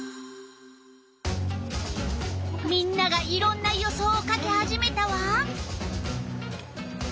みんながいろんな予想を書き始めたわ。